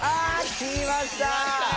きましたよ！